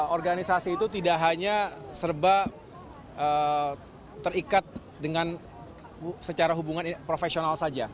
organisasi itu tidak hanya serba terikat dengan secara hubungan profesional saja